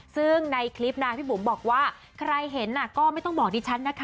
ซึ่งในคลิปนะพี่บุ๋มบอกว่าใครเห็นก็ไม่ต้องบอกดิฉันนะคะ